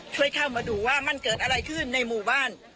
ช่วยเข้ามาดูว่ามันเกิดอะไรขึ้นในหมู่บ้าน